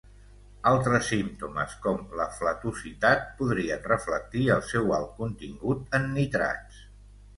Altres símptomes, com la flatositat, podrien reflectir el seu alt contingut en nitrats.